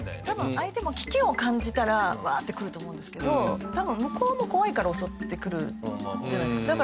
多分相手も危機を感じたらうわーって来ると思うんですけど多分向こうも怖いから襲ってくるじゃないですか。